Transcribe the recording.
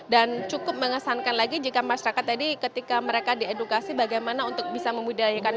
dan cukup mengesankan lagi jika masyarakat tadi ketika mereka diedukasi bagaimana untuk bisa memudahkan